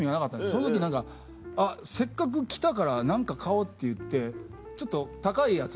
その時何かせっかく来たから何か買おうっていってちょっと高いやつを。